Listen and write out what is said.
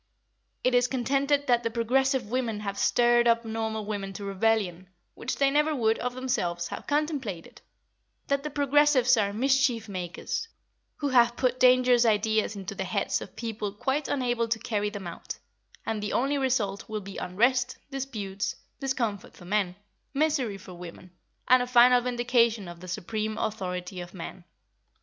It is contended that the progressive women have stirred up normal women to rebellion, which they never would, of themselves, have contemplated; that the progressives are mischief makers, who have put dangerous ideas into the heads of people quite unable to carry them out, and the only result will be unrest, disputes, discomfort for men, misery for women, and a final vindication of the supreme authority of man.